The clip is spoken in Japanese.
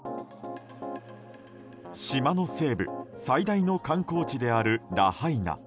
島の西部、最大の観光地であるラハイナ。